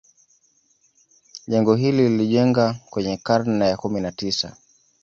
Jengo hili lilijengwa kwenye karne ya kumi na tisa